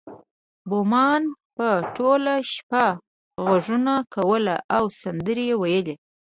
بومانو به ټوله شپه غږونه کول او سندرې ویلې